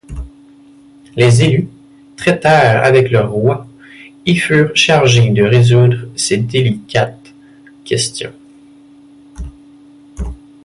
Les Élus traitèrent avec le roi et furent chargés de résoudre ces délicates questions.